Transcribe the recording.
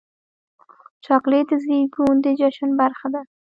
چاکلېټ د زیږون د جشن برخه ده.